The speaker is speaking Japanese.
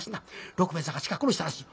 六兵衛さんが鹿殺したらしい」。